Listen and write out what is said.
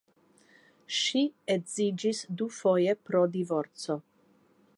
Ŝi edziĝis dufoje pro divorco.